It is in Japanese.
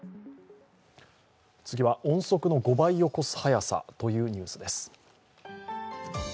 次は音速の５倍を超す速さというニュースです。